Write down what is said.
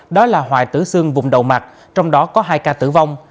đó là hoại tử xương vùng đầu mặt trong đó có hai ca tử vong